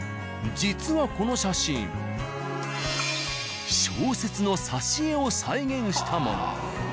実はこの写真小説の挿絵を再現したもの。